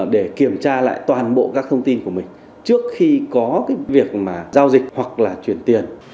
để kiểm tra lại toàn bộ các thông tin của mình trước khi có cái việc mà giao dịch hoặc là chuyển tiền